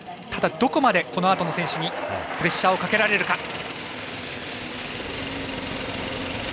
ただ、どこまでこのあとの選手にプレッシャーをかけられるか。